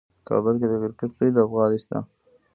کابل کې د کرکټ لوی لوبغالی شته.